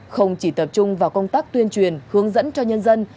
không chỉ tập trung vào công tác tuyên truyền hướng dẫn cho nhân dân